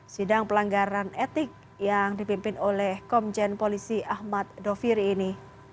sidang pelanggaran etik yang dipimpin oleh komjen polisi ahmad doviri ini